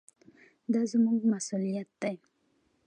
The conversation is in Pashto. دا زموږ مسوولیت دی.